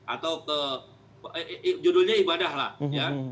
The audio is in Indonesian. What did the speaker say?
atau ke judulnya ibadah lah ya